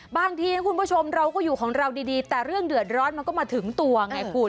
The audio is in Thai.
บางทีนะคุณผู้ชมเราก็อยู่ของเราดีแต่เรื่องเดือดร้อนมันก็มาถึงตัวไงคุณ